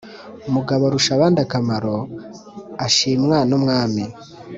” mugaborushabandakamaro ashimwa n' umwami.